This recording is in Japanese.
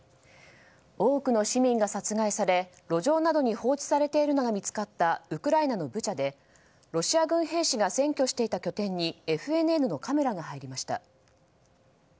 多くの市民が殺害され路上などに放置されているのが見つかったウクライナのブチャでロシア軍兵士が占拠していた拠点にＦＮＮのカメラが入りました。